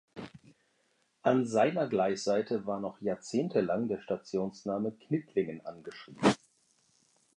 An seiner Gleisseite war noch jahrzehntelang der Stationsname „Knittlingen“ angeschrieben.